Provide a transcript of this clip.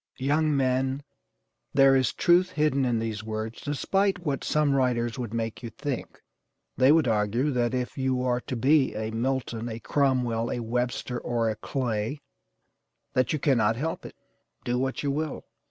Young men, there is truth hidden in these words, despite what some writers would make you think. They would argue that if you are to be a Milton, a Cromwell, a Webster, or a Clay, that you cannot help it, do what you will.